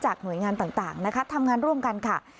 หน่วยงานต่างนะคะทำงานร่วมกันค่ะ